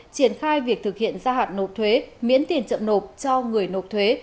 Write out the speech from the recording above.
triển khai việc thực hiện gia hạn nộp thuế miễn tiền chậm nộp cho người nộp thuế